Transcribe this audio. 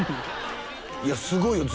「いやすごいよ。